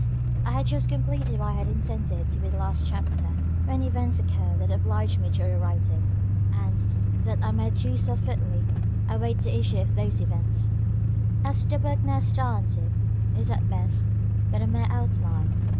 I had just completed what I had intended to be the last chapter, when events occurred that obliged me to rewrite it, and, that I might do so fitly, await the issue of those events. As the book now stands it is at best but a mere outline.